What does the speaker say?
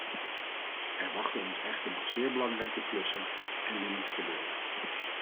Er wachten ons echter nog zeer belangrijke klussen, en die moeten gebeuren.